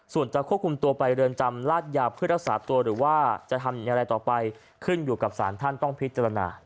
ส่วนจะควบคุมตัวไปเรือนจำลาดยาเพื่อรักษาตัวหรือว่าจะทำอย่างไรต่อไปขึ้นอยู่กับสารท่านต้องพิจารณา